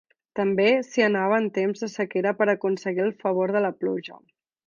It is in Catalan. També s'hi anava en temps de sequera per aconseguir el favor de la pluja.